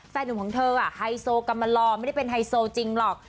หนุ่มของเธอไฮโซกรรมลอไม่ได้เป็นไฮโซจริงหรอก